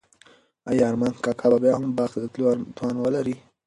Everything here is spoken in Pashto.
آیا ارمان کاکا به بیا هم باغ ته د تلو توان ولري؟